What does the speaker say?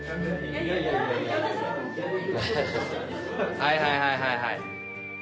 はいはいはいはいはい。